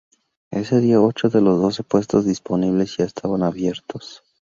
Ese día, ocho de los doce puestos disponibles ya estaban abiertos.